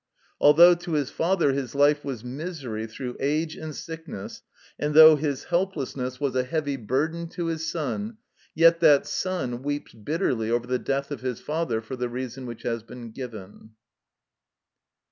Although to his father his life was misery through age and sickness, and though his helplessness was a heavy burden to his son, yet that son weeps bitterly over the death of his father for the reason which has been given.